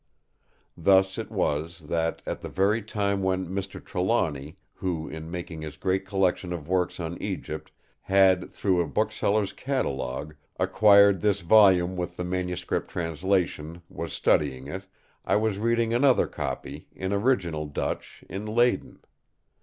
Thus it was, that at the very time when Mr. Trelawny, who, in making his great collection of works on Egypt, had, through a booksellers' catalogue, acquired this volume with the manuscript translation, was studying it, I was reading another copy, in original Dutch, in Leyden.